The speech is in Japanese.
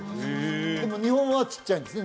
でも日本はちっちゃいんですね？